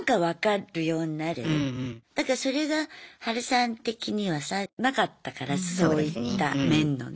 だからそれがハルさん的にはさなかったからそういった面のね。